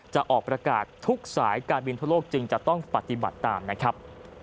จะออกประกาศทุกสายการบินทั่วโลกจึงจะต้องปฏิบัติตามนะครับ